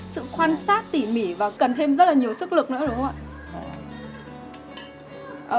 sự quan sát tỉ mỉ và cần thêm rất là nhiều sức lực nữa đúng không ạ